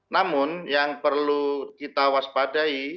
namun yang perlu kita waspadai